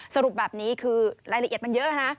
สรุปแบบนี้คือรายละเอียดมันเยอะนะ